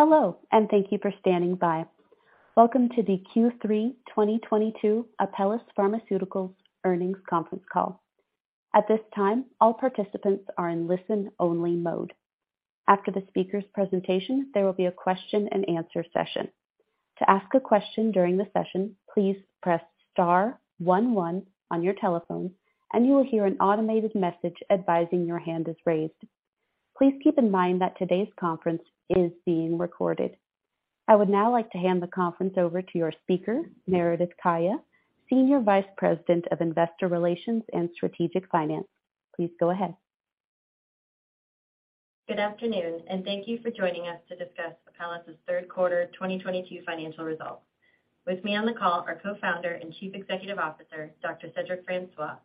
Hello, and thank you for standing by. Welcome to the Q3 2022 Apellis Pharmaceuticals earnings conference call. At this time, all participants are in listen-only mode. After the speaker's presentation, there will be a question-and-answer session. To ask a question during the session, please press star one one on your telephone, and you will hear an automated message advising your hand is raised. Please keep in mind that today's conference is being recorded. I would now like to hand the conference over to your speaker, Meredith Kaya, Senior Vice President of Investor Relations and Strategic Finance. Please go ahead. Good afternoon, and thank you for joining us to discuss Apellis' third quarter 2022 financial results. With me on the call are Co-Founder and Chief Executive Officer, Dr. Cedric Francois,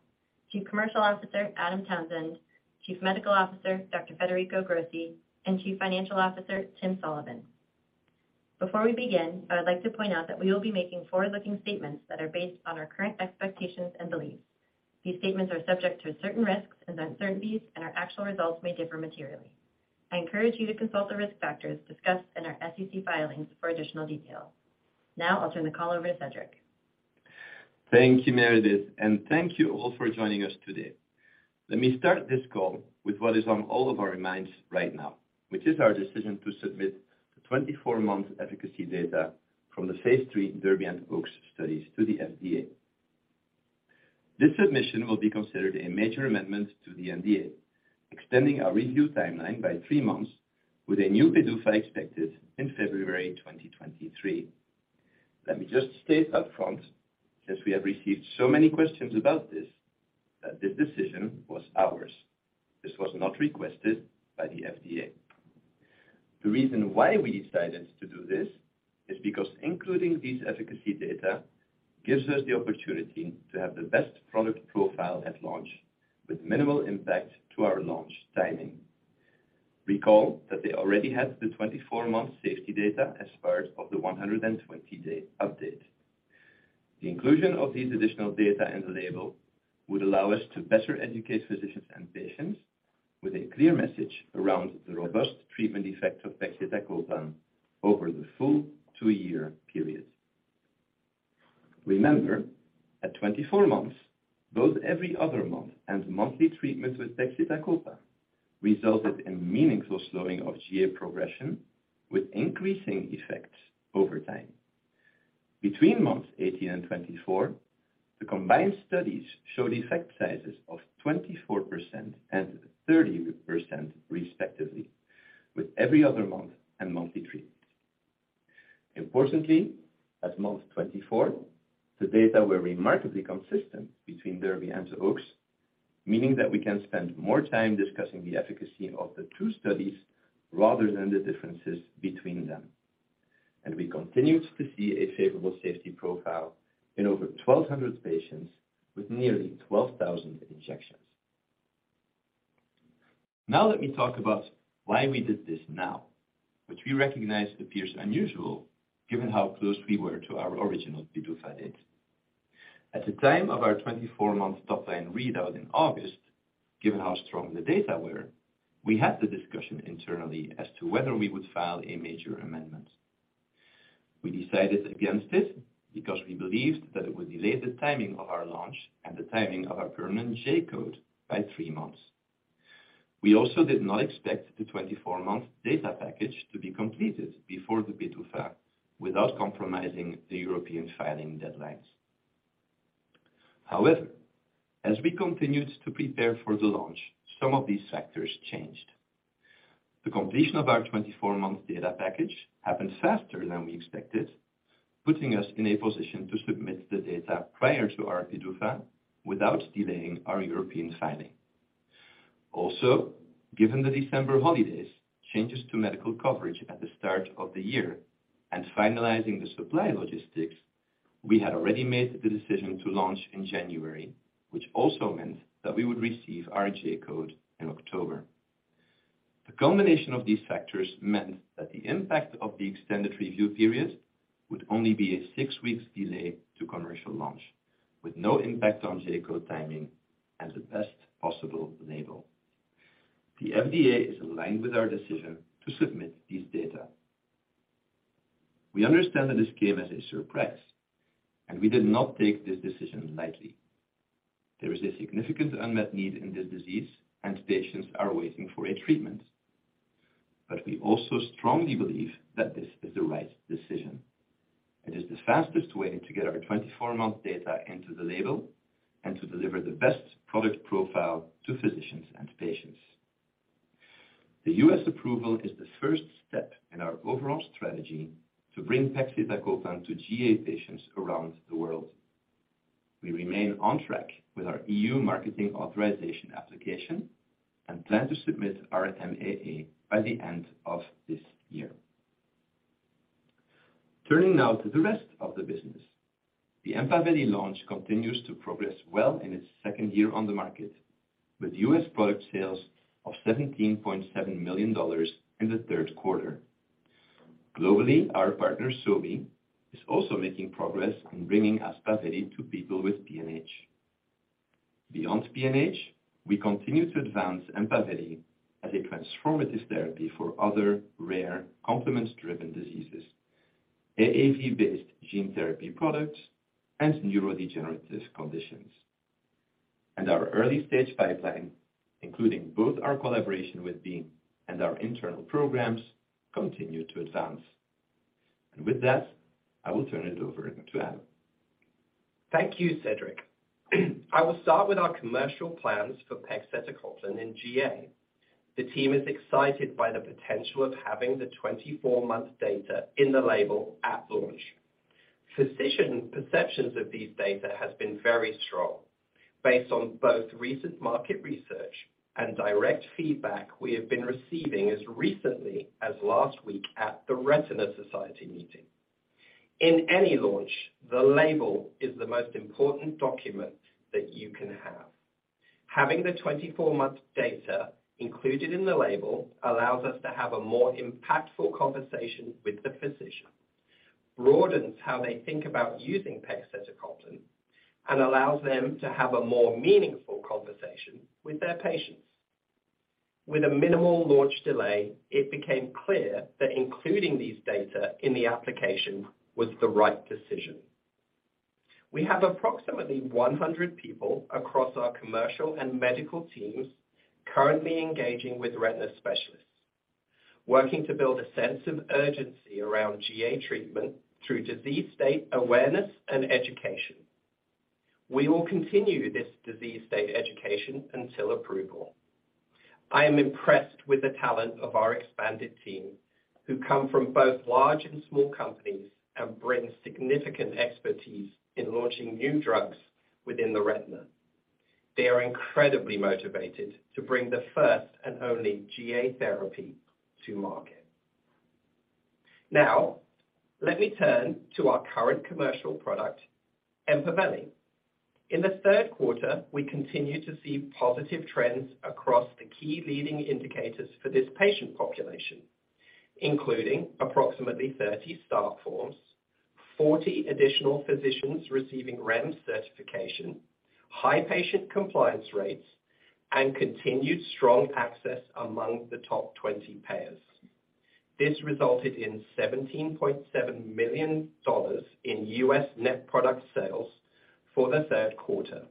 Chief Commercial Officer, Adam Townsend, Chief Medical Officer, Dr. Federico Grossi, and Chief Financial Officer, Tim Sullivan. Before we begin, I would like to point out that we will be making forward-looking statements that are based on our current expectations and beliefs. These statements are subject to certain risks and uncertainties, and our actual results may differ materially. I encourage you to consult the risk factors discussed in our SEC filings for additional detail. Now, I'll turn the call over to Cedric. Thank you, Meredith, and thank you all for joining us today. Let me start this call with what is on all of our minds right now, which is our decision to submit the 24-month efficacy data from the phase III DERBY and OAKS studies to the FDA. This submission will be considered a major amendment to the NDA, extending our review timeline by three months with a new PDUFA expected in February 2023. Let me just state up front, since we have received so many questions about this, that this decision was ours. This was not requested by the FDA. The reason why we decided to do this is because including these efficacy data gives us the opportunity to have the best product profile at launch with minimal impact to our launch timing. Recall that they already had the 24-month safety data as part of the 120-day update. The inclusion of these additional data in the label would allow us to better educate physicians and patients with a clear message around the robust treatment effect of pegcetacoplan over the full two-year period. Remember, at 24 months, both every other month and monthly treatment with pegcetacoplan resulted in meaningful slowing of GA progression with increasing effects over time. Between months 18 and 24, the combined studies showed effect sizes of 24% and 30% respectively, with every other month and monthly treatment. Importantly, at month 24, the data were remarkably consistent between DERBY and OAKS, meaning that we can spend more time discussing the efficacy of the two studies rather than the differences between them. We continued to see a favorable safety profile in over 1,200 patients with nearly 12,000 injections. Now let me talk about why we did this now, which we recognize appears unusual given how close we were to our original PDUFA date. At the time of our 24-month top-line readout in August, given how strong the data were, we had the discussion internally as to whether we would file a major amendment. We decided against this because we believed that it would delay the timing of our launch and the timing of our permanent J-code by three months. We also did not expect the 24-month data package to be completed before the PDUFA without compromising the European filing deadlines. However, as we continued to prepare for the launch, some of these factors changed. The completion of our 24-month data package happened faster than we expected, putting us in a position to submit the data prior to our PDUFA without delaying our European filing. Also, given the December holidays, changes to medical coverage at the start of the year, and finalizing the supply logistics, we had already made the decision to launch in January, which also meant that we would receive our J-code in October. The combination of these factors meant that the impact of the extended review period would only be a six weeks delay to commercial launch with no impact on J-code timing and the best possible label. The FDA is aligned with our decision to submit these data. We understand that this came as a surprise, and we did not take this decision lightly. There is a significant unmet need in this disease and patients are waiting for a treatment. We also strongly believe that this is the right decision. It is the fastest way to get our 24-month data into the label and to deliver the best product profile to physicians and patients. The U.S. approval is the first step in our overall strategy to bring pegcetacopan to GA patients around the world. We remain on track with our E.U. Marketing Authorization Application and plan to submit our MAA by the end of this year. Turning now to the rest of the business. The EMPAVELI launch continues to progress well in its second year on the market, with U.S. product sales of $17.7 million in the third quarter. Globally, our partner, Sobi, is also making progress on bringing EMPAVELI to people with PNH. Beyond PNH, we continue to advance EMPAVELI as a transformative therapy for other rare complement-driven diseases, AAV-based gene therapy products, and neurodegenerative conditions. Our early-stage pipeline, including both our collaboration with Beam and our internal programs, continue to advance. With that, I will turn it over to Adam. Thank you, Cedric. I will start with our commercial plans for pegcetacoplan in GA. The team is excited by the potential of having the 24-month data in the label at launch. Physician perceptions of these data has been very strong, based on both recent market research and direct feedback we have been receiving as recently as last week at the Retina Society meeting. In any launch, the label is the most important document that you can have. Having the 24-month data included in the label allows us to have a more impactful conversation with the physician, broadens how they think about using pegcetacoplan, and allows them to have a more meaningful conversation with their patients. With a minimal launch delay, it became clear that including these data in the application was the right decision. We have approximately 100 people across our commercial and medical teams currently engaging with retina specialists, working to build a sense of urgency around GA treatment through disease state awareness and education. We will continue this disease state education until approval. I am impressed with the talent of our expanded team, who come from both large and small companies and bring significant expertise in launching new drugs within the retina. They are incredibly motivated to bring the first and only GA therapy to market. Now, let me turn to our current commercial product, EMPAVELI. In the third quarter, we continued to see positive trends across the key leading indicators for this patient population, including approximately 30 staff forms, 40 additional physicians receiving REMS certification, high patient compliance rates, and continued strong access among the top 20 payers. This resulted in $17.7 million in U.S. net product sales for the third quarter.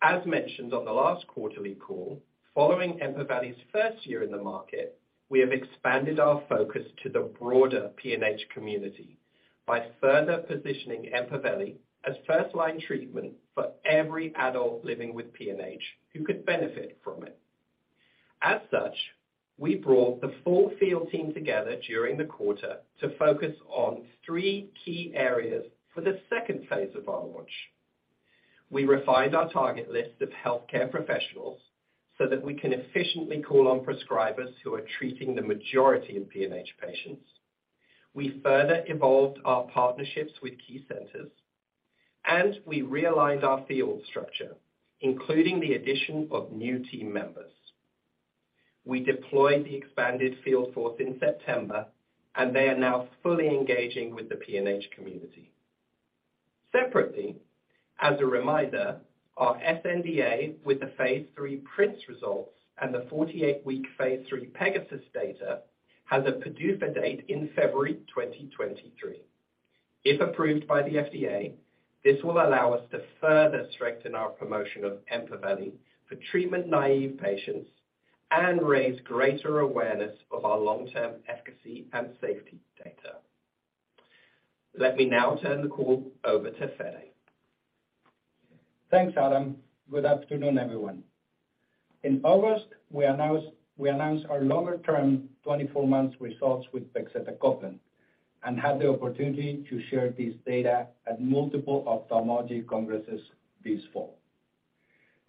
As mentioned on the last quarterly call, following EMPAVELI's first year in the market, we have expanded our focus to the broader PNH community by further positioning EMPAVELI as first-line treatment for every adult living with PNH who could benefit from it. As such, we brought the full field team together during the quarter to focus on three key areas for the second phase of our launch. We refined our target list of healthcare professionals so that we can efficiently call on prescribers who are treating the majority of PNH patients. We further evolved our partnerships with key centers, and we realized our field structure, including the addition of new team members. We deployed the expanded field force in September, and they are now fully engaging with the PNH community. Separately, as a reminder, our sNDA with the phase III PRINCE results and the 48-week phase III PEGASUS data has a PDUFA date in February 2023. If approved by the FDA, this will allow us to further strengthen our promotion of EMPAVELI for treatment-naive patients and raise greater awareness of our long-term efficacy and safety data. Let me now turn the call over to Fede. Thanks, Adam. Good afternoon, everyone. In August, we announced our longer-term 24 months results with pegcetacoplan and had the opportunity to share this data at multiple ophthalmology congresses this fall.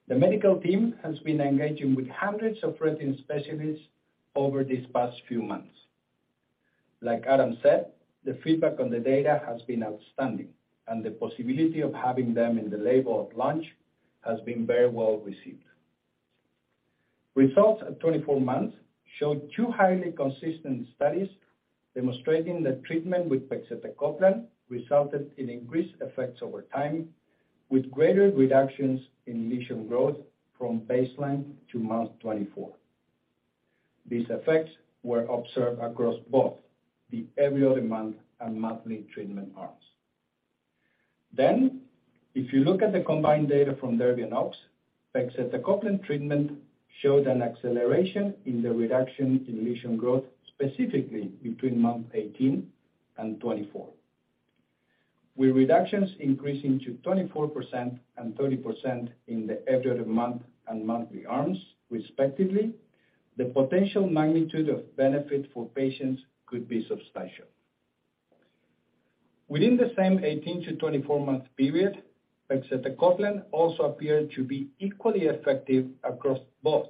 The medical team has been engaging with hundreds of retina specialists over these past few months. Like Adam said, the feedback on the data has been outstanding, and the possibility of having them in the label at launch has been very well-received. Results at 24 months showed two highly consistent studies demonstrating that treatment with pegcetacoplan resulted in increased effects over time, with greater reductions in lesion growth from baseline to month 24. These effects were observed across both the every other month and monthly treatment arms. If you look at the combined data from DERBY and OAKS, pegcetacoplan treatment showed an acceleration in the reduction in lesion growth, specifically between month 18 and 24. With reductions increasing to 24% and 30% in the every other month and monthly arms, respectively, the potential magnitude of benefit for patients could be substantial. Within the same 18- to 24-month period, pegcetacoplan also appeared to be equally effective across both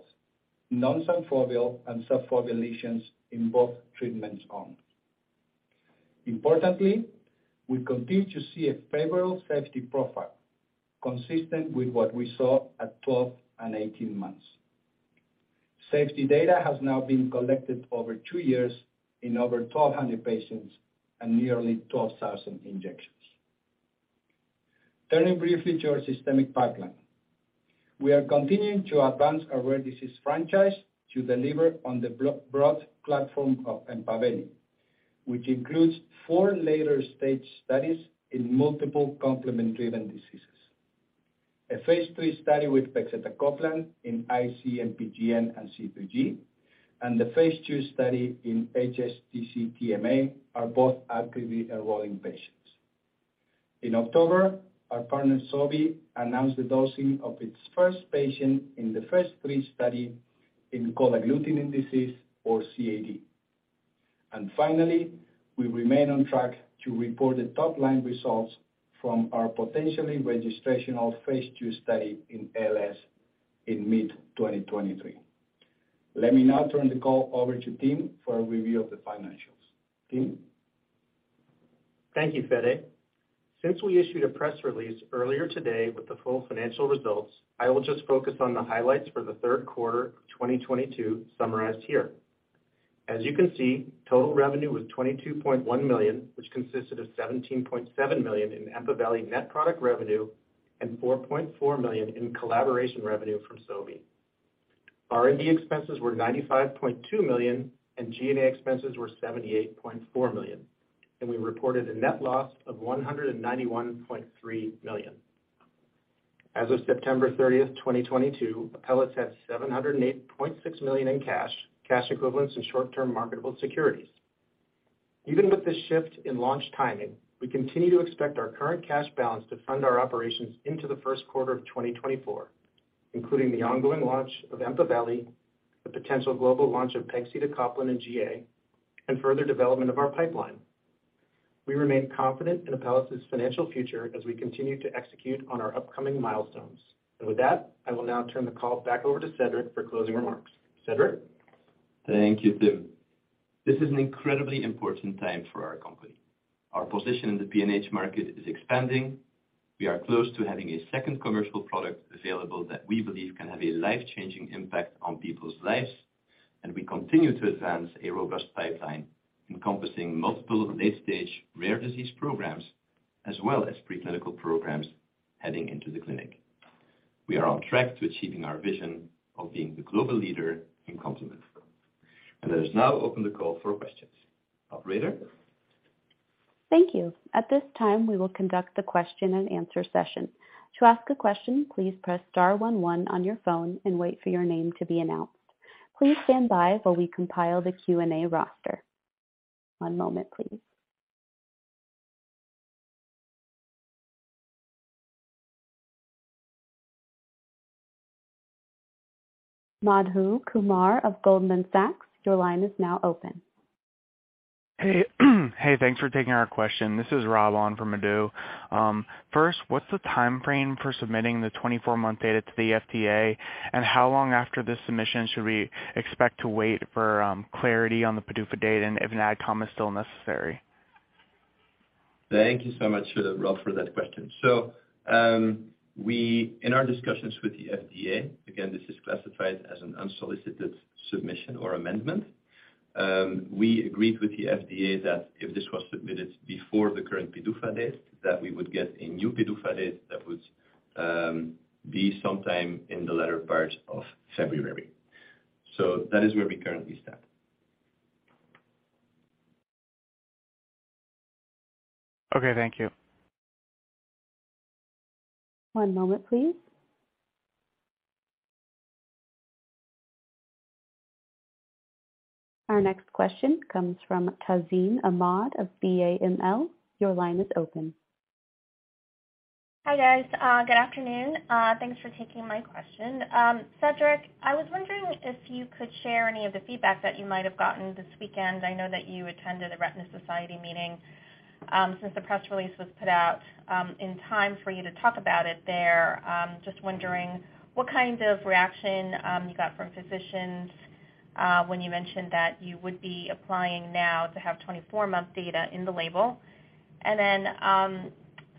non-subfoveal and subfoveal lesions in both treatment arms. Importantly, we continue to see a favorable safety profile consistent with what we saw at 12 and 18 months. Safety data has now been collected over two years in over 1,200 patients and nearly 12,000 injections. Turning briefly to our systemic pipeline. We are continuing to advance our rare disease franchise to deliver on the broad platform of EMPAVELI, which includes four later-stage studies in multiple complement-driven diseases. A phase III study with pegcetacoplan in IC-MPGN, MPGN, and C3G, and the phase II study in HSCT-TMA are both actively enrolling patients. In October, our partner, Sobi, announced the dosing of its first patient in the phase III study in cold agglutinin disease or CAD. Finally, we remain on track to report the top-line results from our potentially registrational phase II study in ALS in mid-2023. Let me now turn the call over to Tim for a review of the financials. Tim. Thank you, Fede. Since we issued a press release earlier today with the full financial results, I will just focus on the highlights for the third quarter of 2022 summarized here. As you can see, total revenue was $22.1 million, which consisted of $17.7 million in EMPAVELI net product revenue and $4.4 million in collaboration revenue from Sobi. R&D expenses were $95.2 million, and G&A expenses were $78.4 million. We reported a net loss of $191.3 million. As of September 30th, 2022, Apellis had $708.6 million in cash equivalents, and short-term marketable securities. Even with this shift in launch timing, we continue to expect our current cash balance to fund our operations into the first quarter of 2024, including the ongoing launch of EMPAVELI, the potential global launch of pegcetacoplan and GA, and further development of our pipeline. We remain confident in Apellis' financial future as we continue to execute on our upcoming milestones. With that, I will now turn the call back over to Cedric for closing remarks. Cedric. Thank you, Tim. This is an incredibly important time for our company. Our position in the PNH market is expanding. We are close to having a second commercial product available that we believe can have a life-changing impact on people's lives. We continue to advance a robust pipeline encompassing multiple late-stage rare disease programs as well as preclinical programs heading into the clinic. We are on track to achieving our vision of being the global leader in complement. Let us now open the call for questions. Operator. Thank you. At this time, we will conduct the question-and-answer session. To ask a question, please press star one one on your phone and wait for your name to be announced. Please stand by while we compile the Q&A roster. One moment, please. Madhu Kumar of Goldman Sachs, your line is now open. Hey. Hey, thanks for taking our question. This is Rob on for Madhu. First, what's the timeframe for submitting the 24-month data to the FDA? How long after the submission should we expect to wait for clarity on the PDUFA date and if an ADCOM is still necessary? Thank you so much, Rob, for that question. In our discussions with the FDA, again, this is classified as an unsolicited submission or amendment, we agreed with the FDA that if this was submitted before the current PDUFA date, that we would get a new PDUFA date that would be sometime in the latter part of February. That is where we currently stand. Okay, thank you. One moment, please. Our next question comes from Tazeen Ahmad of BAML. Your line is open. Hi, guys. Good afternoon. Thanks for taking my question. Cedric, I was wondering if you could share any of the feedback that you might have gotten this weekend. I know that you attended The Retina Society meeting, since the press release was put out, in time for you to talk about it there. Just wondering what kind of reaction you got from physicians, when you mentioned that you would be applying now to have 24-month data in the label.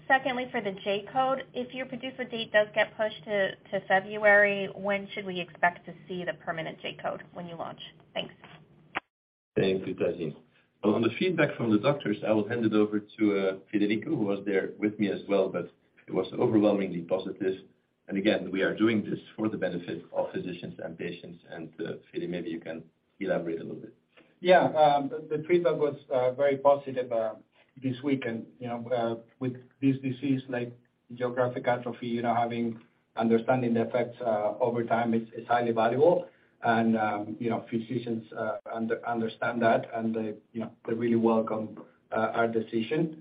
Secondly, for the J-code, if your PDUFA date does get pushed to February, when should we expect to see the permanent J-code when you launch? Thanks. Thank you, Tazeen. Well, on the feedback from the doctors, I will hand it over to Federico, who was there with me as well, but it was overwhelmingly positive. Fede, maybe you can elaborate a little bit. Yeah, the feedback was very positive this weekend. You know, with this disease like geographic atrophy, you know, having understanding the effects over time is highly valuable. You know, physicians understand that and they, you know, they really welcome our decision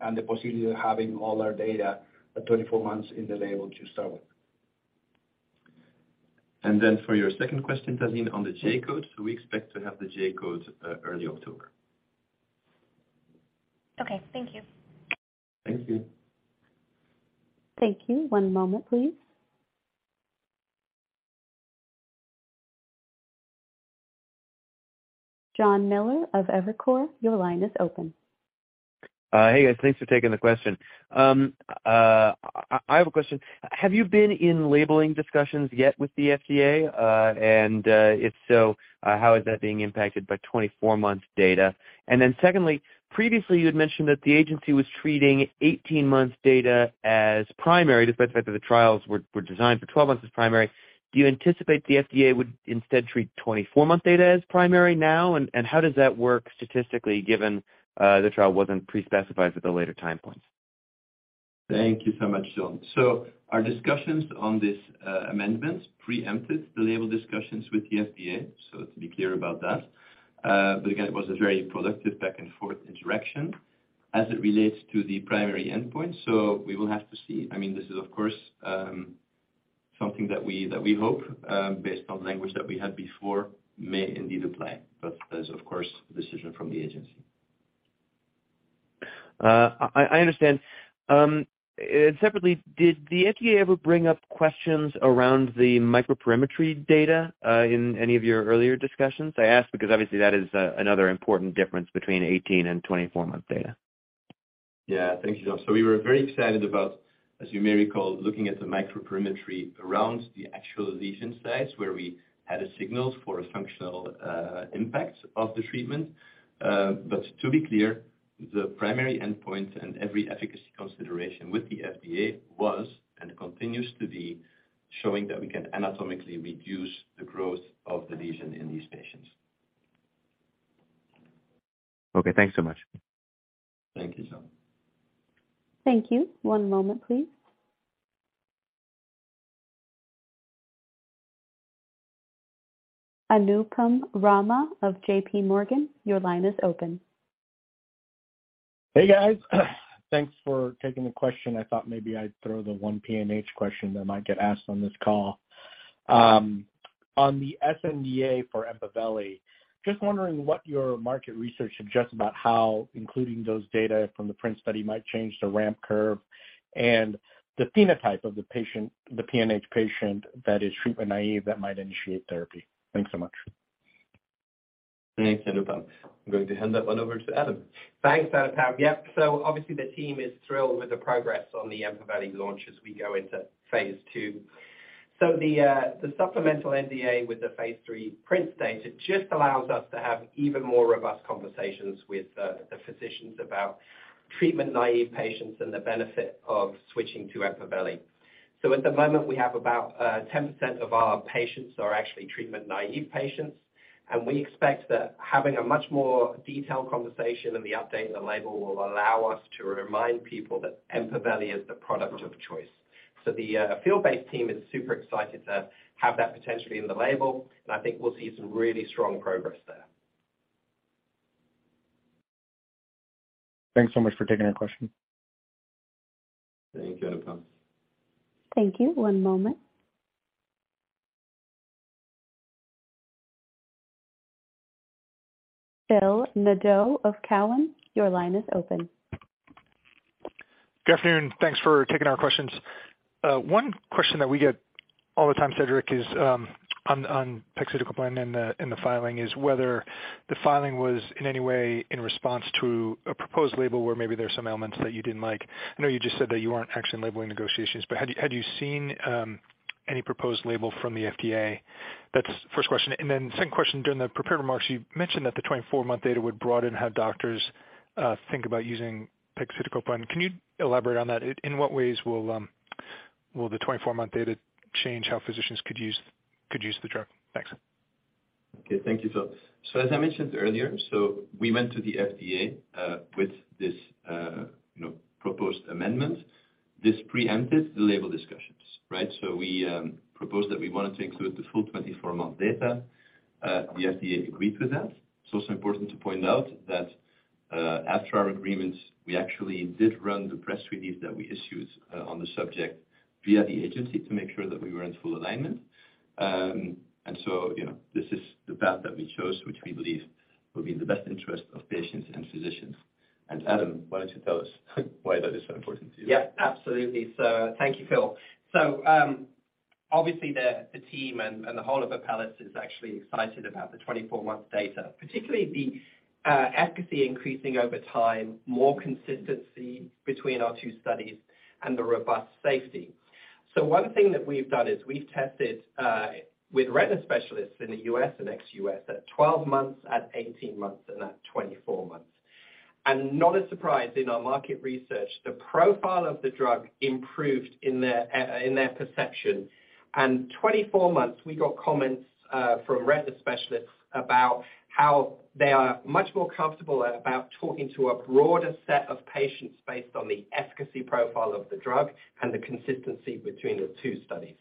and the possibility of having all our data at 24 months in the label to start with. For your second question, Tazeen, on the J-code. We expect to have the J-code early October. Okay, thank you. Thank you. Thank you. One moment, please. Jon Miller of Evercore, your line is open. Hey guys. Thanks for taking the question. I have a question. Have you been in labeling discussions yet with the FDA? If so, how is that being impacted by 24-month data? Secondly, previously you had mentioned that the agency was treating 18 months data as primary, despite the fact that the trials were designed for 12 months as primary. Do you anticipate the FDA would instead treat 24-month data as primary now? How does that work statistically, given the trial wasn't pre-specified at the later time points? Thank you so much, Jon. Our discussions on this amendment preempted the label discussions with the FDA. To be clear about that. Again, it was a very productive back and forth interaction as it relates to the primary endpoint, so we will have to see. I mean, this is of course something that we hope, based on language that we had before, may indeed apply. That is, of course, the decision from the agency. I understand. Separately, did the FDA ever bring up questions around the microperimetry data in any of your earlier discussions? I ask because obviously that is another important difference between 18 and 24 month data. Yeah. Thank you, Jon. We were very excited about, as you may recall, looking at the microperimetry around the actual lesion sites where we had a signal for a functional impact of the treatment. To be clear, the primary endpoint and every efficacy consideration with the FDA was and continues to be showing that we can anatomically reduce the growth of the lesion in these patients. Okay, thanks so much. Thank you, Jon. Thank you. One moment, please. Anupam Rama of JPMorgan, your line is open. Hey, guys. Thanks for taking the question. I thought maybe I'd throw the one PNH question that might get asked on this call. On the sNDA for EMPAVELI, just wondering what your market research suggests about how including those data from the PRINCE study might change the ramp curve and the phenotype of the patient, the PNH patient that is treatment-naïve that might initiate therapy. Thanks so much. Thanks, Anupam. I'm going to hand that one over to Adam. Thanks, Anupam. Yep. Obviously the team is thrilled with the progress on the EMPAVELI launch as we go into phase II. The supplemental NDA with the phase III PRINCE stage allows us to have even more robust conversations with the physicians about treatment-naive patients and the benefit of switching to EMPAVELI. At the moment we have about 10% of our patients are actually treatment-naive patients, and we expect that having a much more detailed conversation and the update in the label will allow us to remind people that EMPAVELI is the product of choice. The field-based team is super excited to have that potentially in the label, and I think we'll see some really strong progress there. Thanks so much for taking our question. Thank you, Anupam. Thank you. One moment. Phil Nadeau of Cowen, your line is open. Good afternoon. Thanks for taking our questions. One question that we get all the time, Cedric, is on pegcetacoplan and the filing is whether the filing was in any way in response to a proposed label where maybe there's some elements that you didn't like. I know you just said that you aren't actually in labeling negotiations, but had you seen any proposed label from the FDA? That's the first question. Second question, during the prepared remarks, you mentioned that the 24-month data would broaden how doctors think about using pegcetacoplan. Can you elaborate on that? In what ways will the 24-month data change how physicians could use the drug? Thanks. Okay, thank you, Phil. As I mentioned earlier, we went to the FDA with this, you know, proposed amendment. This preempted the label discussions, right? We proposed that we wanted to include the full 24-month data. The FDA agreed with that. It's also important to point out that, after our agreement, we actually did run the press release that we issued, on the subject via the agency to make sure that we were in full alignment. You know, this is the path that we chose, which we believe will be in the best interest of patients and physicians. Adam, why don't you tell us why that is so important to you? Yeah, absolutely, sir. Thank you, Phil. Obviously the team and the whole of Apellis is actually excited about the 24-month data, particularly the efficacy increasing over time, more consistency between our two studies and the robust safety. One thing that we've done is we've tested with retina specialists in the U.S. and ex-U.S. at 12 months, at 18 months, and at 24 months. Not a surprise in our market research, the profile of the drug improved in their perception. 24 months, we got comments from retina specialists about how they are much more comfortable about talking to a broader set of patients based on the efficacy profile of the drug and the consistency between the two studies.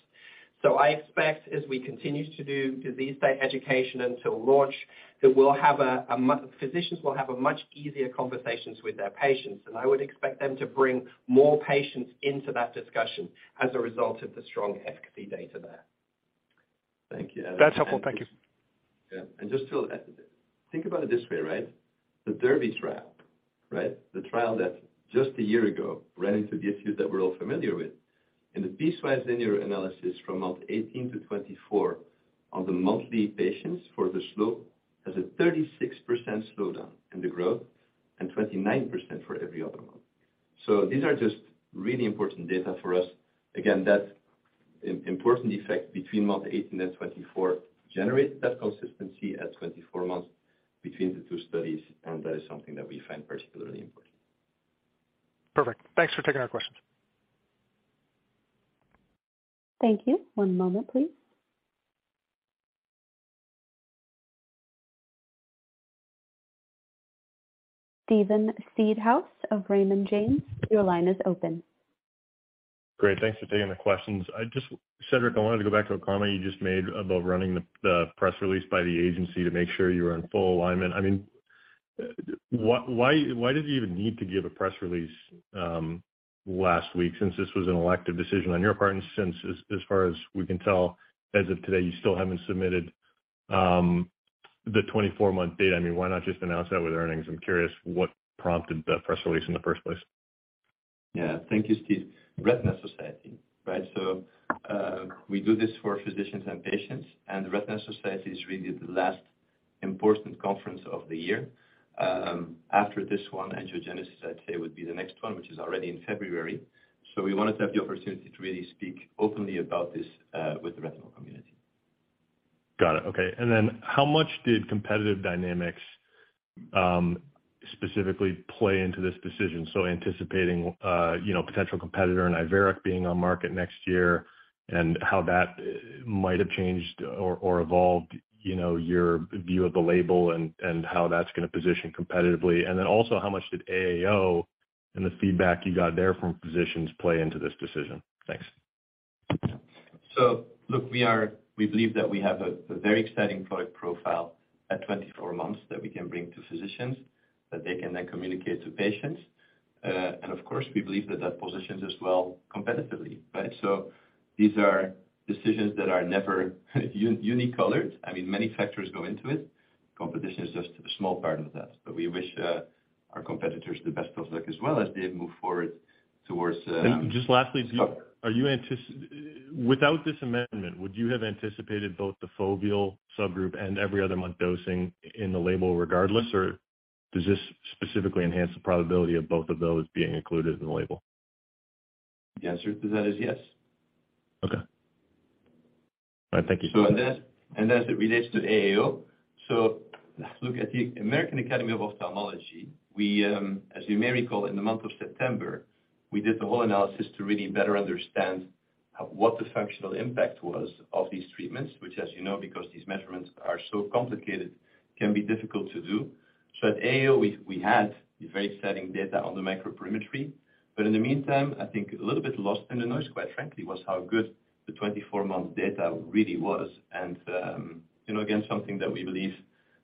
I expect as we continue to do disease state education until launch, that physicians will have a much easier conversations with their patients, and I would expect them to bring more patients into that discussion as a result of the strong efficacy data there. Thank you, Adam. That's helpful. Thank you. Yeah. Just, Phil, think about it this way, right? The DERBY, right? The trial that just a year ago ran into the issue that we're all familiar with. In the piecewise linear analysis from month 18-24 on the monthly patients for the slope has a 36% slowdown in the growth and 29% for every other month. These are just really important data for us. Again, that important effect between month 18 and 24 generates that consistency at 24 months between the two studies, and that is something that we find particularly important. Perfect. Thanks for taking our questions. Thank you. One moment, please. Steven Seedhouse of Raymond James, your line is open. Great. Thanks for taking the questions. I just Cedric, I wanted to go back to a comment you just made about running the press release by the agency to make sure you were in full alignment. I mean, why did you even need to give a press release last week since this was an elective decision on your part, and since as far as we can tell, as of today, you still haven't submitted the 24-month data? I mean, why not just announce that with earnings? I'm curious what prompted the press release in the first place. Yeah. Thank you, Steve. Retina Society, right? We do this for physicians and patients, and the Retina Society is really the last important conference of the year. After this one, Angiogenesis, I'd say, would be the next one, which is already in February. We wanted to have the opportunity to really speak openly about this with the retinal community. Got it. Okay. How much did competitive dynamics, specifically play into this decision? Anticipating, you know, potential competitor in Iveric being on market next year and how that might have changed or evolved, you know, your view of the label and how that's gonna position competitively. How much did AAO and the feedback you got there from physicians play into this decision? Thanks. We believe that we have a very exciting product profile at 24 months that we can bring to physicians that they can then communicate to patients. Of course, we believe that that positions us well competitively, right? These are decisions that are never univocal. I mean, many factors go into it. Competition is just a small part of that. We wish our competitors the best of luck as well as they move forward towards. Just lastly. Oh. Without this amendment, would you have anticipated both the foveal subgroup and every other month dosing in the label regardless, or does this specifically enhance the probability of both of those being included in the label? The answer to that is yes. Okay. All right. Thank you. As it relates to AAO, look, at the American Academy of Ophthalmology, we, as you may recall, in the month of September, we did the whole analysis to really better understand what the functional impact was of these treatments, which as you know, because these measurements are so complicated, can be difficult to do. At AAO, we had very exciting data on the microperimetry, but in the meantime, I think a little bit lost in the noise, quite frankly, was how good the 24-month data really was. You know, again, something that we believe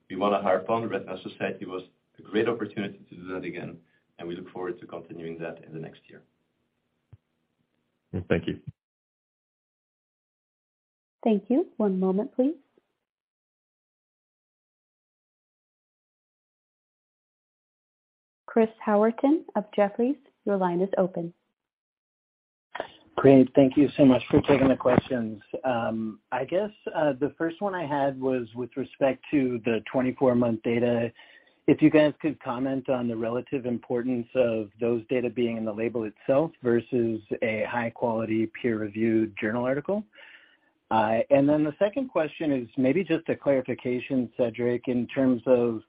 we want to harp on, Retina Society was a great opportunity to do that again, and we look forward to continuing that in the next year. Thank you. Thank you. One moment, please. Chris Howerton of Jefferies, your line is open. Great. Thank you so much for taking the questions. I guess the first one I had was with respect to the 24-month data. If you guys could comment on the relative importance of those data being in the label itself versus a high-quality peer-reviewed journal article. The second question is maybe just a clarification, Cedric, in terms of,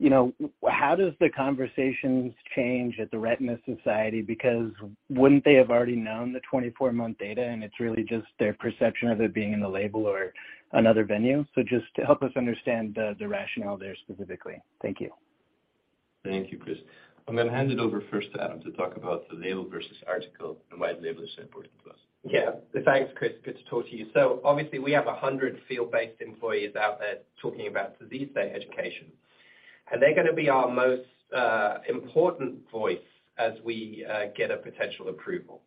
you know, how does the conversations change at the Retina Society? Because wouldn't they have already known the 24-month data and it's really just their perception of it being in the label or another venue? So just to help us understand the rationale there specifically. Thank you. Thank you, Chris. I'm gonna hand it over first to Adam to talk about the label versus article and why the label is so important to us. Yeah. Thanks, Chris. Good to talk to you. Obviously we have 100 field-based employees out there talking about disease day education. They're gonna be our most important voice as we get a potential approval.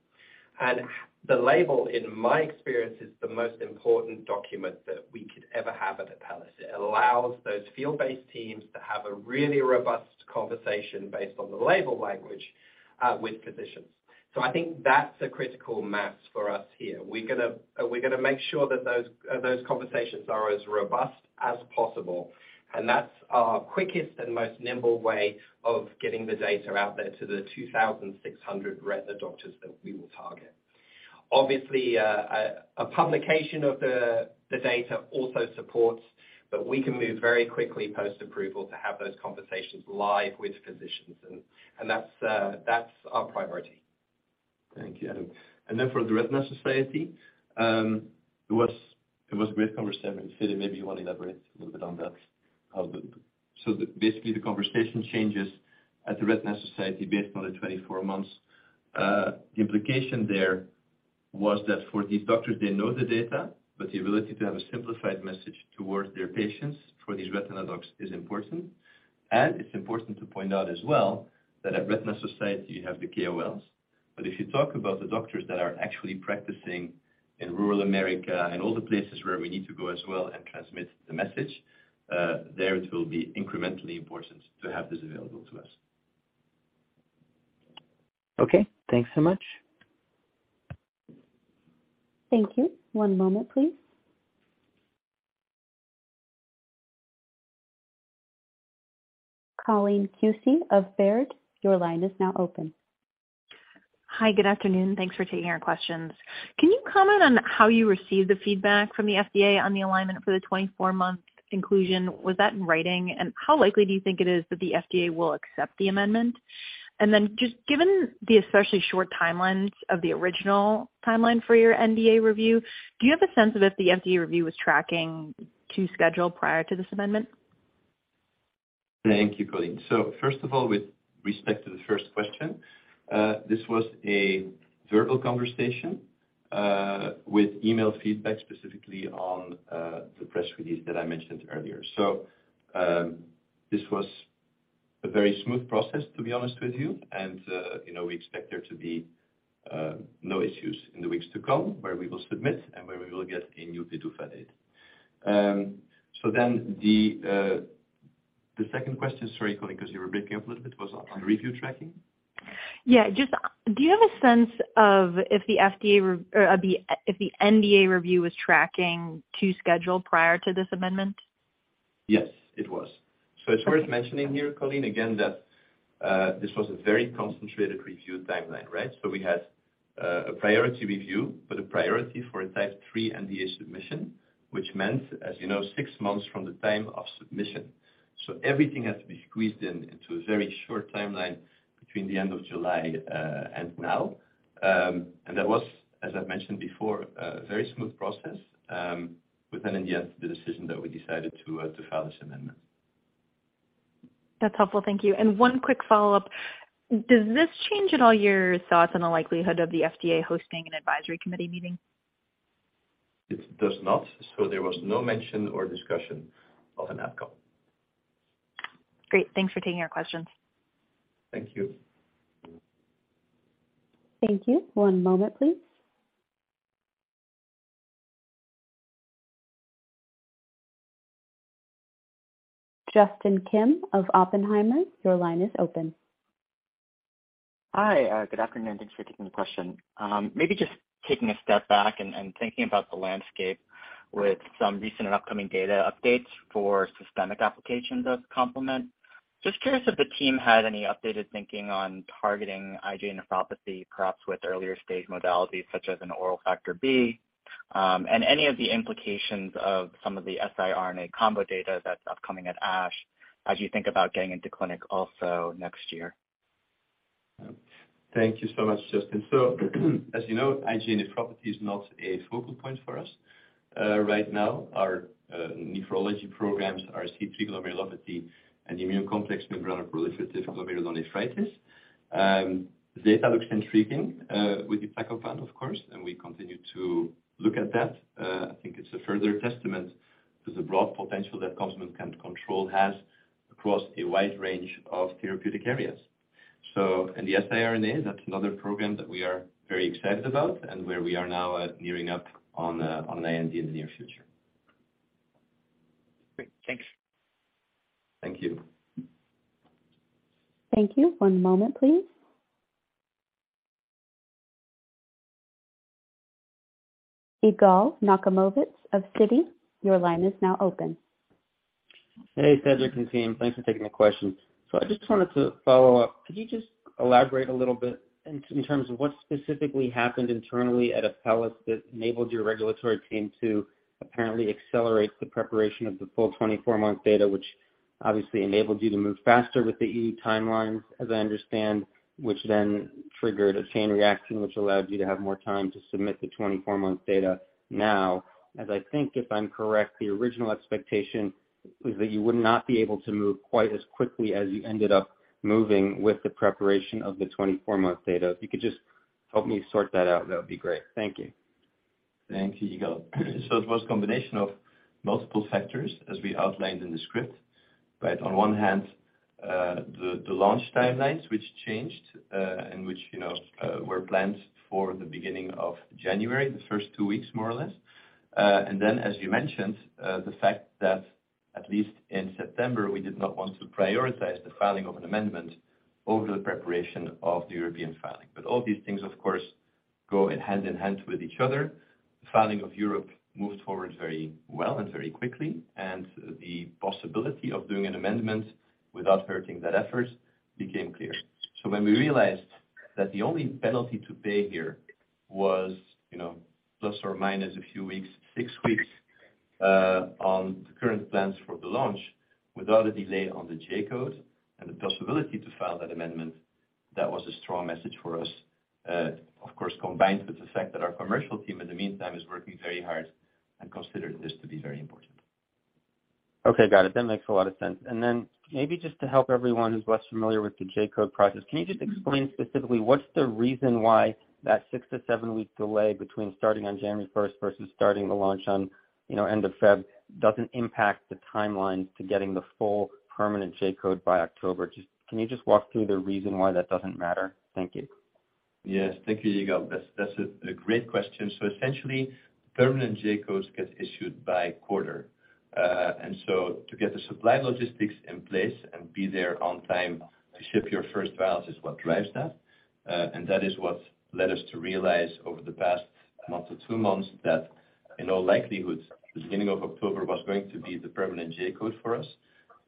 The label, in my experience, is the most important document that we could ever have at Apellis. It allows those field-based teams to have a really robust conversation based on the label language with physicians. I think that's a critical mass for us here. We're gonna make sure that those conversations are as robust as possible, and that's our quickest and most nimble way of getting the data out there to the 2,600 retina doctors that we will target. Obviously, a publication of the data also supports, but we can move very quickly post-approval to have those conversations live with physicians, and that's our priority. Thank you, Adam. For the Retina Society, it was a great conversation. Fede, maybe you wanna elaborate a little bit on that. Basically the conversation changes at the Retina Society based on the 24 months. The implication there was that for these doctors, they know the data, but the ability to have a simplified message towards their patients for these retina docs is important. It's important to point out as well that at Retina Society you have the KOLs. If you talk about the doctors that are actually practicing in rural America and all the places where we need to go as well and transmit the message, there it will be incrementally important to have this available to us. Okay. Thanks so much. Thank you. One moment, please. Colleen Kusy of Baird, your line is now open. Hi. Good afternoon. Thanks for taking our questions. Can you comment on how you received the feedback from the FDA on the alignment for the 24-month inclusion? Was that in writing? And how likely do you think it is that the FDA will accept the amendment? Just given the especially short timelines of the original timeline for your NDA review, do you have a sense of if the FDA review was tracking to schedule prior to this amendment? Thank you, Colleen. First of all, with respect to the first question, this was a verbal conversation with email feedback specifically on the press release that I mentioned earlier. This was a very smooth process, to be honest with you. You know, we expect there to be no issues in the weeks to come where we will submit and where we will get a new PDUFA date. Then the second question, sorry, Colleen, 'cause you were breaking up a little bit, was on review tracking. Yeah. Just, do you have a sense of if the NDA review was tracking to schedule prior to this amendment? Yes, it was. It's worth mentioning here, Colleen, again, that this was a very concentrated review timeline, right? We had a priority review, but a priority for a Type 3 NDA submission, which meant, as you know, six months from the time of submission. Everything has to be squeezed in into a very short timeline between the end of July and now. That was, as I mentioned before, a very smooth process with an NDA decision that we decided to file this amendment. That's helpful. Thank you. One quick follow-up. Does this change at all your thoughts on the likelihood of the FDA hosting an advisory committee meeting? It does not. There was no mention or discussion of an ADCOM. Great. Thanks for taking our questions. Thank you. Thank you. One moment, please. Justin Kim of Oppenheimer, your line is open. Hi, good afternoon. Thanks for taking the question. Maybe just taking a step back and thinking about the landscape with some recent and upcoming data updates for systemic applications of complement. Just curious if the team had any updated thinking on targeting IgA Nephropathy, perhaps with earlier-stage modalities such as an oral factor B, and any of the implications of some of the siRNA combo data that's upcoming at ASH as you think about getting into clinic also next year? Thank you so much, Justin. As you know, IgA Nephropathy is not a focal point for us. Right now our nephrology programs are C3 glomerulopathy and immune complex membranoproliferative glomerulonephritis. Data looks intriguing with iptacopan, of course, and we continue to look at that. I think it's a further testament to the broad potential that complement control has across a wide range of therapeutic areas. In the siRNA, that's another program that we are very excited about and where we are now at gearing up on an IND in the near future. Great. Thanks. Thank you. Thank you. One moment, please. Yigal Nochomovitz of Citi, your line is now open. Hey, Cedric and team. Thanks for taking the question. I just wanted to follow up. Could you just elaborate a little bit in terms of what specifically happened internally at Apellis that enabled your regulatory team to apparently accelerate the preparation of the full 24-month data, which obviously enabled you to move faster with the E.U. timelines, as I understand, which then triggered a chain reaction which allowed you to have more time to submit the 24-month data now. As I think, if I'm correct, the original expectation was that you would not be able to move quite as quickly as you ended up moving with the preparation of the 24-month data. If you could just help me sort that out, that would be great. Thank you. Thank you, Yigal. It was combination of multiple factors, as we outlined in the script, right? On one hand, the launch timelines which changed, and which, you know, were planned for the beginning of January, the first two weeks, more or less. And then as you mentioned, the fact that at least in September, we did not want to prioritize the filing of an amendment over the preparation of the European filing. All these things, of course, go hand in hand with each other. The filing of Europe moved forward very well and very quickly, and the possibility of doing an amendment without hurting that effort became clear. When we realized that the only penalty to pay here was, you know, plus or minus a few weeks, six weeks, on the current plans for the launch, without a delay on the J-code and the possibility to file that amendment, that was a strong message for us. Of course, combined with the fact that our commercial team in the meantime is working very hard and considered this to be very important. Okay, got it. That makes a lot of sense. Maybe just to help everyone who's less familiar with the J-code process, can you just explain specifically what's the reason why that six-seven-week delay between starting on January 1st versus starting the launch on, you know, end of February doesn't impact the timeline to getting the full permanent J-code by October? Just, can you just walk through the reason why that doesn't matter? Thank you. Yes. Thank you, Yigal. That's a great question. Essentially, permanent J-codes get issued by quarter. To get the supply logistics in place and be there on time to ship your first vials is what drives that. That is what led us to realize over the past month or two months that in all likelihood, the beginning of October was going to be the permanent J-code for us.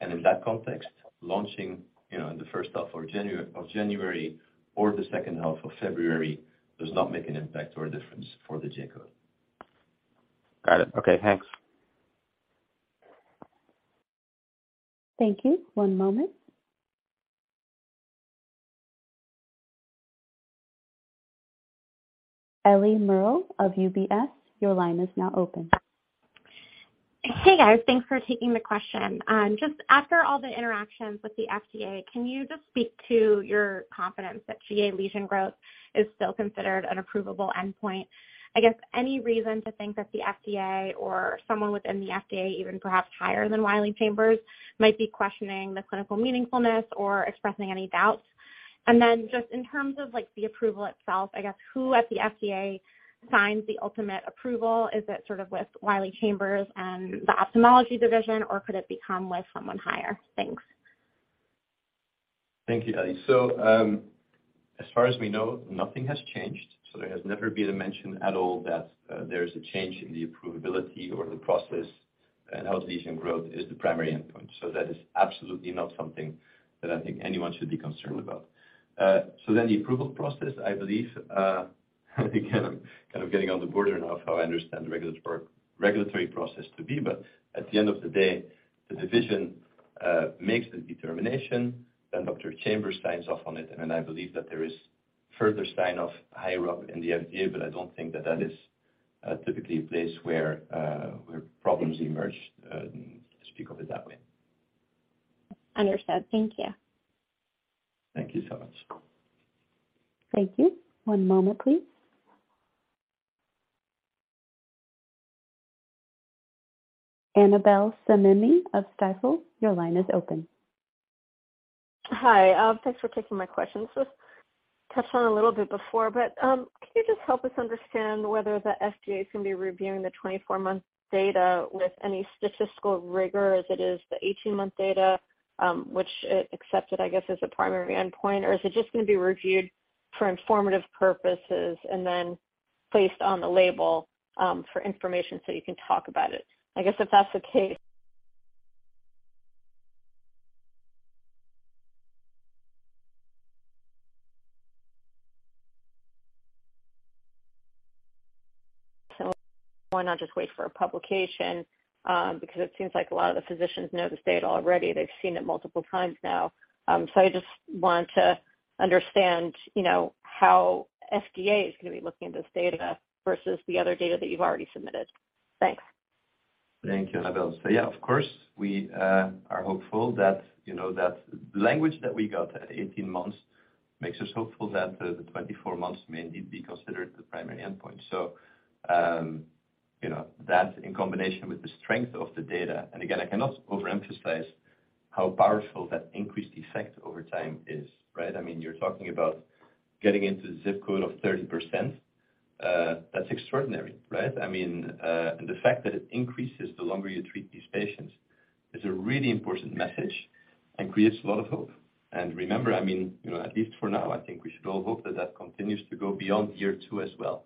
In that context, launching, you know, in the first half of January or the second half of February does not make an impact or a difference for the J-code. Got it. Okay, thanks. Thank you. One moment. Ellie Merle of UBS, your line is now open. Hey, guys. Thanks for taking the question. Just after all the interactions with the FDA, can you just speak to your confidence that GA lesion growth is still considered an approvable endpoint? I guess any reason to think that the FDA or someone within the FDA, even perhaps higher than Wiley Chambers, might be questioning the clinical meaningfulness or expressing any doubts? Just in terms of like the approval itself, I guess, who at the FDA signs the ultimate approval? Is it sort of with Wiley Chambers and the ophthalmology division, or could it become with someone higher? Thanks. Thank you, Ellie. As far as we know, nothing has changed. There has never been a mention at all that there is a change in the approvability or the process, and how the lesion growth is the primary endpoint. That is absolutely not something that I think anyone should be concerned about. The approval process, I believe, again, I'm kind of getting on the border now of how I understand the regulatory process to be, but at the end of the day, the division makes the determination, then Dr. Chambers signs off on it. I believe that there is further sign-off higher up in the FDA, but I don't think that that is typically a place where problems emerge, to speak of it that way. Understood. Thank you. Thank you so much. Thank you. One moment, please. Annabel Samimy of Stifel, your line is open. Hi. Thanks for taking my questions. This touched on a little bit before, but can you just help us understand whether the FDA is gonna be reviewing the 24-month data with any statistical rigor as it is the 18-month data, which it accepted, I guess, as a primary endpoint? Or is it just gonna be reviewed for informative purposes and then placed on the label for information, so you can talk about it? I guess if that's the case. Why not just wait for a publication, because it seems like a lot of the physicians know this data already. They've seen it multiple times now. I just want to understand, you know, how FDA is gonna be looking at this data versus the other data that you've already submitted. Thanks. Thank you, Annabel. Yeah, of course, we are hopeful that, you know, that language that we got at 18 months makes us hopeful that the 24 months may indeed be considered the primary endpoint. You know, that in combination with the strength of the data, and again, I cannot overemphasize how powerful that increased effect over time is, right? I mean, you're talking about getting into ZIP code of 30%. That's extraordinary, right? I mean, the fact that it increases the longer you treat these patients is a really important message and creates a lot of hope. Remember, I mean, you know, at least for now, I think we should all hope that that continues to go beyond Year 2 as well.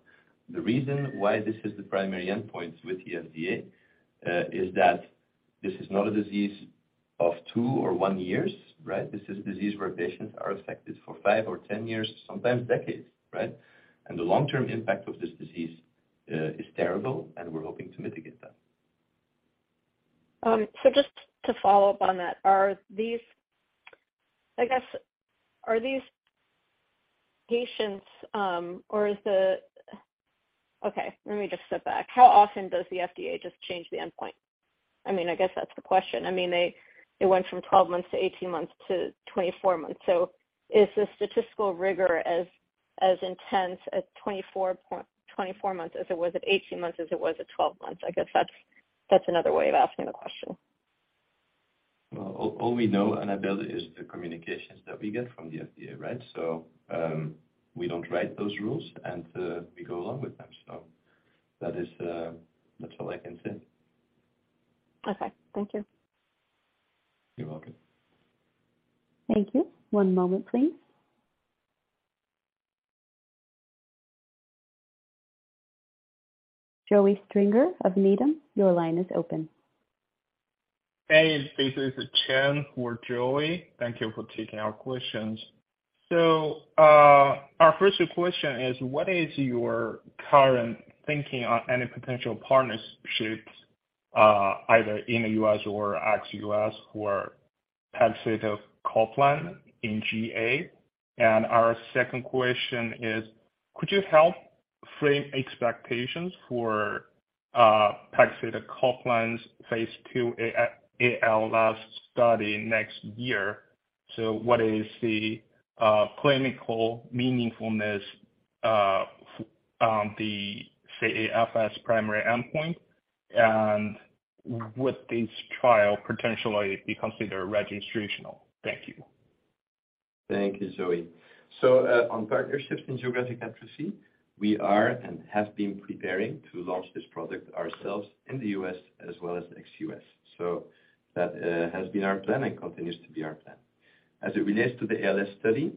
The reason why this is the primary endpoint with the FDA is that this is not a disease of two or one years, right? This is a disease where patients are affected for five or 10 years, sometimes decades, right? The long-term impact of this disease is terrible, and we're hoping to mitigate that. Just to follow up on that. Okay, let me just step back. How often does the FDA just change the endpoint? I mean, I guess that's the question. I mean, they went from 12 months to 18 months to 24 months. Is the statistical rigor as intense at 24 months as it was at 18 months, as it was at 12 months? I guess that's another way of asking the question. Well, all we know, Annabel, is the communications that we get from the FDA, right? We don't write those rules, and we go along with them. That's all I can say. Okay, thank you. You're welcome. Thank you. One moment, please. Joey Stringer of Needham, your line is open. Hey, this is Yuchen for Joey. Thank you for taking our questions. Our first question is, what is your current thinking on any potential partnerships, either in the U.S. or ex-U.S. for pegcetacoplan in GA? Our second question is, could you help frame expectations for pegcetacoplan's phase II ALS study next year? What is the clinical meaningfulness? The ALSFRS primary endpoint. Would this trial potentially be considered registrational? Thank you. Thank you, Joey. On partnerships in geographic atrophy, we are and have been preparing to launch this product ourselves in the U.S. as well as ex-U.S. That has been our plan and continues to be our plan. As it relates to the ALS study,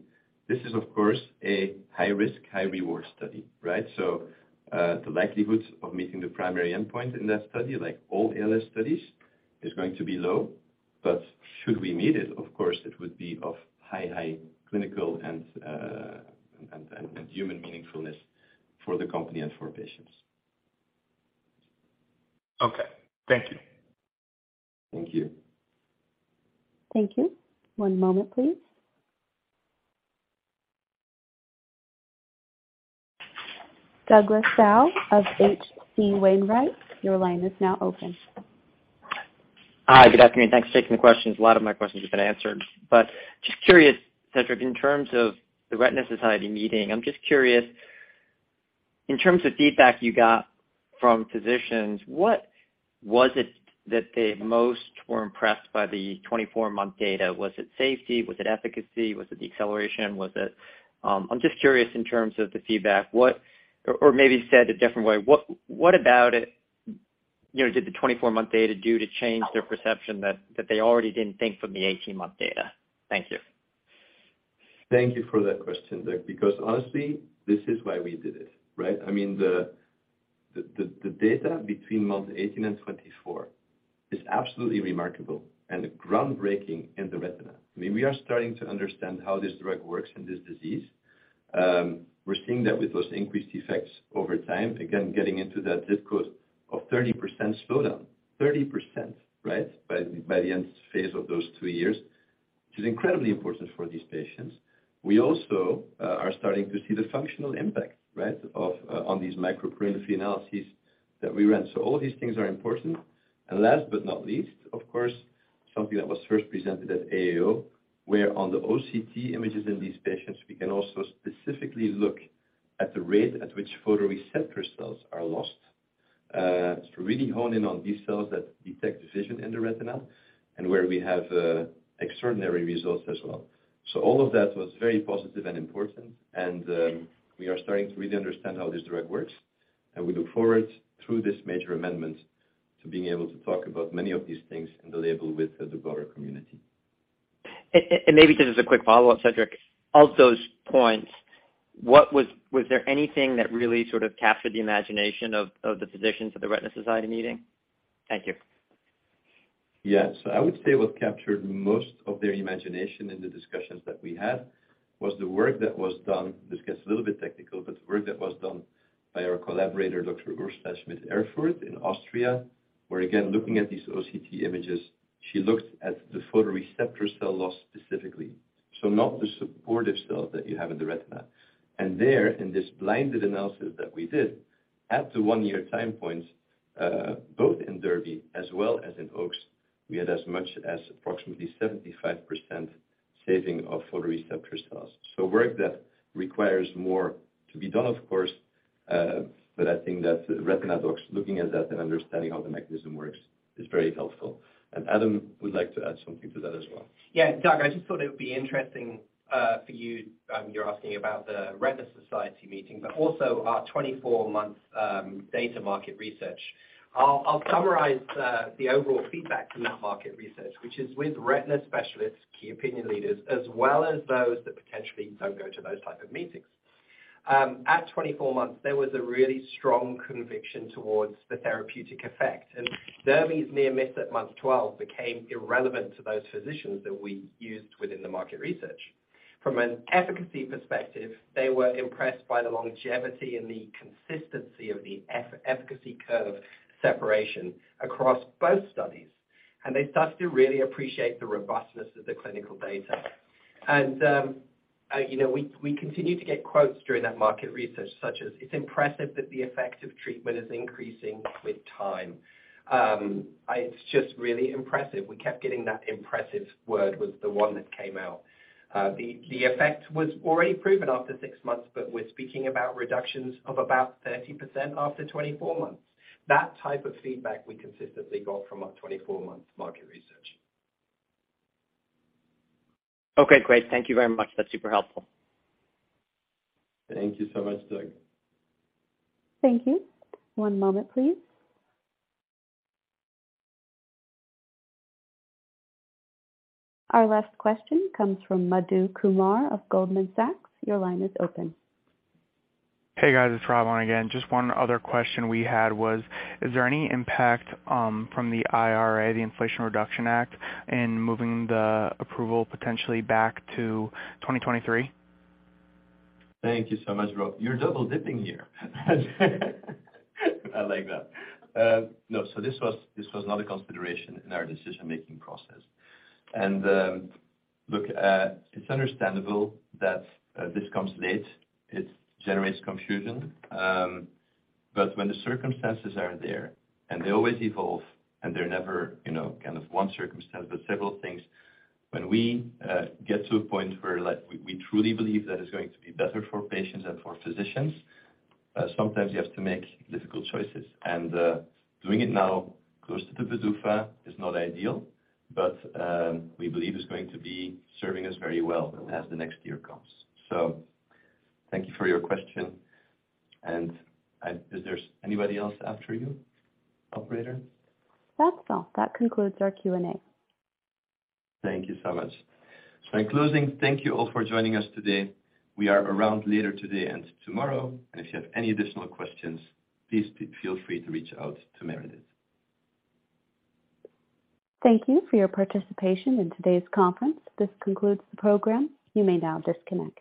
this is of course a high-risk, high-reward study, right? The likelihood of meeting the primary endpoint in that study, like all ALS studies, is going to be low. Should we meet it, of course, it would be of high clinical and human meaningfulness for the company and for patients. Okay. Thank you. Thank you. Thank you. One moment, please. Douglas Tsao of H.C. Wainwright, your line is now open. Hi. Good afternoon. Thanks for taking the questions. A lot of my questions have been answered. Just curious, Cedric, in terms of the Retina Society meeting, I'm just curious, in terms of feedback you got from physicians, what was it that they most were impressed by the 24-month data? Was it safety? Was it efficacy? Was it deceleration? I'm just curious in terms of the feedback, or maybe said a different way, what about it, you know, did the 24-month data do to change their perception that they already didn't think from the 18-month data? Thank you. Thank you for that question, Doug, because honestly, this is why we did it, right? I mean, the data between month 18 and 24 is absolutely remarkable and groundbreaking in the retina. I mean, we are starting to understand how this drug works in this disease. We're seeing that with those increased effects over time, again, getting into that discount of 30% slowdown. 30%, right, by the end phase of those two years. Which is incredibly important for these patients. We also are starting to see the functional impact, right, of on these microperimetry analyses that we ran. So all these things are important. Last but not least, of course, something that was first presented at AAO, where on the OCT images in these patients, we can also specifically look at the rate at which photoreceptor cells are lost. To really hone in on these cells that detect vision in the retina and where we have extraordinary results as well. All of that was very positive and important, and we are starting to really understand how this drug works, and we look forward through this major amendment to being able to talk about many of these things in the label with the broader community. Maybe just as a quick follow-up, Cedric. Of those points, was there anything that really sort of captured the imagination of the physicians at the Retina Society meeting? Thank you. Yes. I would say what captured most of their imagination in the discussions that we had was the work that was done, this gets a little bit technical, but the work that was done by our collaborator, Dr. Ursula Schmidt-Erfurth in Austria, where, again, looking at these OCT images, she looked at the photoreceptor cell loss specifically. Not the supportive cell that you have in the retina. There, in this blinded analysis that we did, at the one-year time point, both in DERBY as well as in OAKS, we had as much as approximately 75% saving of photoreceptor cells. Work that requires more to be done, of course, but I think that retina docs looking at that and understanding how the mechanism works is very helpful. Adam would like to add something to that as well. Yeah. Doug, I just thought it would be interesting for you. You're asking about the Retina Society meeting, but also our 24-month data market research. I'll summarize the overall feedback from that market research, which is with retina specialists, key opinion leaders, as well as those that potentially don't go to those type of meetings. At 24 months, there was a really strong conviction towards the therapeutic effect. DERBY's near miss at month 12 became irrelevant to those physicians that we used within the market research. From an efficacy perspective, they were impressed by the longevity and the consistency of the efficacy curve separation across both studies, and they started to really appreciate the robustness of the clinical data. You know, we continue to get quotes during that market research, such as, "It's impressive that the effects of treatment is increasing with time. It's just really impressive." We kept getting that impressive word, was the one that came out. The effect was already proven after six months, but we're speaking about reductions of about 30% after 24 months. That type of feedback we consistently got from our 24-month market research. Okay, great. Thank you very much. That's super helpful. Thank you so much, Doug. Thank you. One moment, please. Our last question comes from Madhu Kumar of Goldman Sachs. Your line is open. Hey, guys. It's Rob on again. Just one other question we had was, is there any impact from the IRA, the Inflation Reduction Act, in moving the approval potentially back to 2023? Thank you so much, Rob. You're double-dipping here. I like that. No. This was not a consideration in our decision-making process. Look, it's understandable that this comes late. It generates confusion. When the circumstances are there, and they always evolve, and they're never, you know, kind of one circumstance but several things. When we get to a point where, like, we truly believe that it's going to be better for patients and for physicians, sometimes you have to make difficult choices. Doing it now, close to the PDUFA, is not ideal, but we believe it's going to be serving us very well as the next year comes. Thank you for your question. Is there anybody else after you, operator? That's all. That concludes our Q&A. Thank you so much. In closing, thank you all for joining us today. We are around later today and tomorrow. If you have any additional questions, please feel free to reach out to Meredith. Thank you for your participation in today's conference. This concludes the program. You may now disconnect.